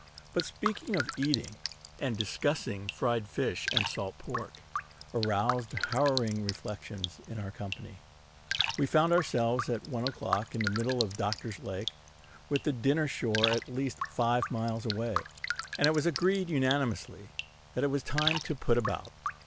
But speaking of eating, and discussing fried fish and salt pork, aroused harrowing reflections in our company. We found ourselves at one o'clock in the middle of Doctor's Lake, with the dinner shore at least five miles away; and it was agreed, nem. con., that it was time to put about.